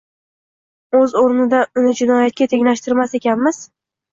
o‘z o‘rnida uni jinoyatga tenglashtirmas ekanmiz